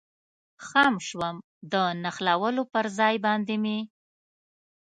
خم شوم، د نښلولو پر ځای باندې مې.